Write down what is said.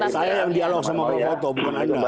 saya yang dialog sama prof poto bukan anda